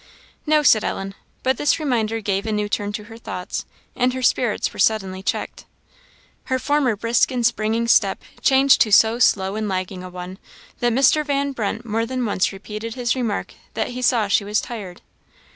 "No," said Ellen. But this reminder gave a new turn to her thoughts, and her spirits were suddenly checked. Her former brisk and springing step changed to so slow and lagging a one, that Mr. Van Brunt more than once repeated his remark that he saw she was tired.